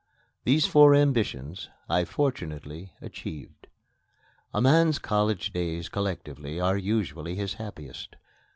These four ambitions I fortunately achieved. A man's college days, collectively, are usually his happiest.